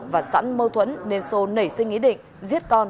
và sẵn mâu thuẫn nên sô nảy sinh ý định giết con rồi tự tử